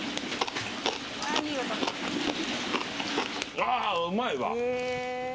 ああ、うまいわ。